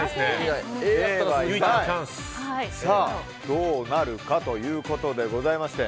どうなるかということですが。